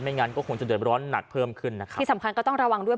งั้นก็คงจะเดือดร้อนหนักเพิ่มขึ้นนะคะที่สำคัญก็ต้องระวังด้วย